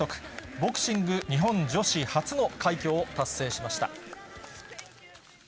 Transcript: ボクシング日本女子初の快挙を達成しました。